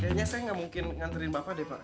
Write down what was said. kayaknya saya nggak mungkin nganterin bapak deh pak